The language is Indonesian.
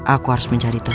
aku harus mencari tahu